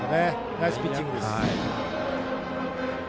ナイスピッチングです。